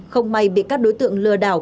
không may bị các đối tượng lừa đảo